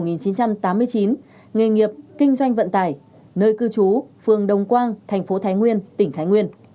nghề nghiệp kinh doanh vận tải nơi cư trú phường đồng quang thành phố thái nguyên tỉnh thái nguyên